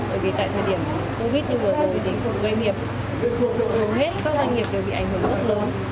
bởi vì tại thời điểm covid như vừa tới đến doanh nghiệp hầu hết các doanh nghiệp đều bị ảnh hưởng rất lớn